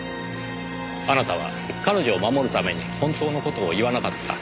あなたは彼女を守るために本当の事を言わなかった。